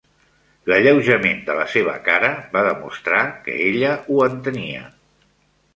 L'alleujament de la seva cara va demostrar que ella ho entenia.